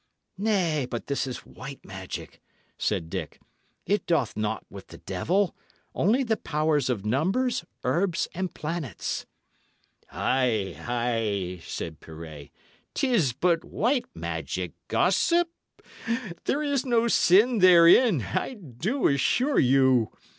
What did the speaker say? "Nay, but this is white magic," said Dick. "It doth naught with the devil; only the powers of numbers, herbs, and planets." "Ay, ay," said Pirret; "'tis but white magic, gossip. There is no sin therein, I do assure you.